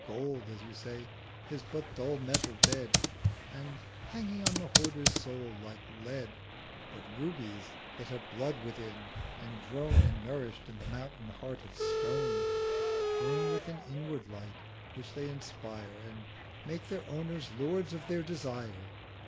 Gold, as you say, is but dull Metal dead, And hanging on the Hoarder's Soul like Lead: But Rubies that have Blood within, and grown And nourisht in the Mountain Heart of Stone, Burn with an inward Light, which they inspire, 370 And make their Owners Lords of their Desire.'